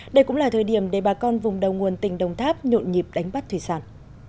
đây cũng là thời điểm để bà con vùng đầu nguồn tỉnh đồng tháp nhộn nhịp đánh bắt thủy sản